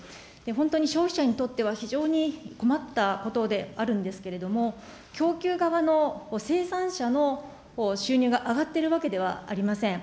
本当に消費者にとっては非常に困ったことであるんですけれども、供給側の生産者の収入が上がっているわけではありません。